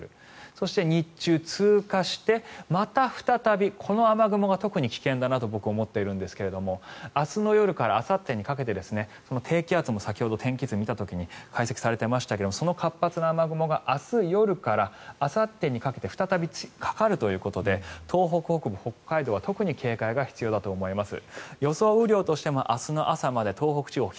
そして、日中、通過してまた再びこの雨雲が特に危険だなと僕、思っているんですが明日の夜からあさってにかけて低気圧も先ほど天気図を見た時に解析されていましたけどその活発な雨雲が明日夜からあさってにかけて再びかかるということで東北北部、北海道は特に警戒が必要だと思います。